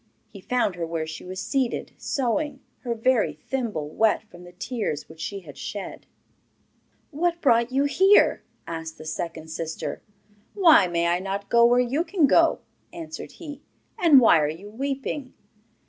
He found her where she was seated sewing, her very thimble wet from the tears which she had shed. 'What brought you here?' asked the second sister. 'Why may I not go where you can go?' answered he; 'and why are you weeping?